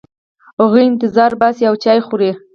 هغوی انتظار باسي او چای خوري.